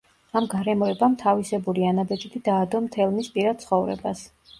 ამ გარემოებამ თავისებური ანაბეჭდი დაადო მთელ მის პირად ცხოვრებას.